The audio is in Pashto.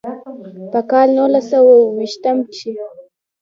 پۀ کال نولس سوه ويشتم کښې